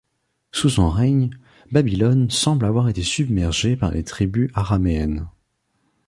Sous son règne, Babylone semble avoir été submergé par les tribus araméennes.